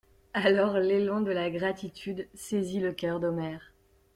Alors l'élan de la gratitude saisit le cœur d'Omer.